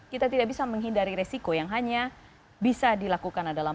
kita tidak bisa menghindari resiko yang hanya bisa dilakukan adalah